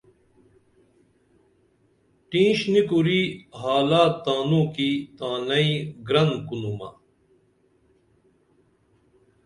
ٹینش نی کُری حالات تانوں کی تانئیں گرن کُنومہ